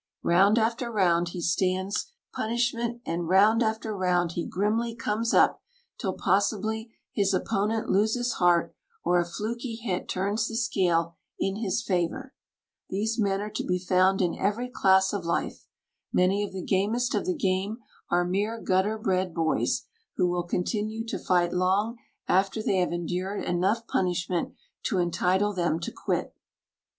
Round after round he stands punishment, and round after round he grimly comes up, till, possibly, his opponent loses heart, or a fluky hit turns the scale in his favour. These men are to be found in every class of life. Many of the gamest of the game are mere gutter bred boys who will continue to fight long after they have endured enough punishment to entitle them to quit.